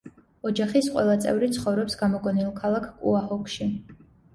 ოჯახის ყველა წევრი ცხოვრობს გამოგონილ ქალაქ კუაჰოგში.